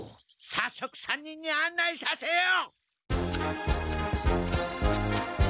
さっそく３人にあんないさせよ！